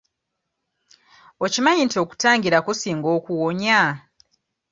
Okimanyi nti okutangira kusinga okuwonya?